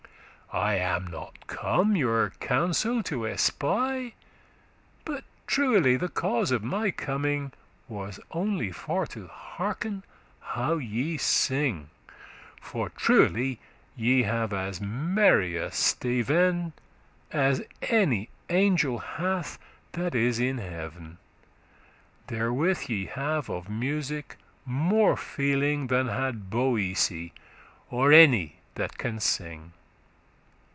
I am not come your counsel to espy. But truely the cause of my coming Was only for to hearken how ye sing; For truely ye have as merry a steven,* *voice As any angel hath that is in heaven; Therewith ye have of music more feeling, Than had Boece, or any that can sing.